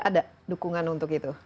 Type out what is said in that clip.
ada dukungan untuk itu